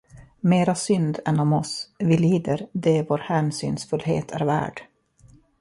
Mera synd än om oss, vi lider det vår hänsynsfullhet är värd.